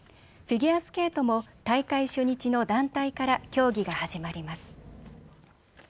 フィギュアスケートも大会初日の団体から競技が始まります。